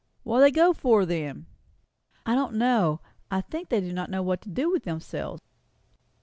"What do they go for then?" "I don't know. I think they do not know what to do with themselves."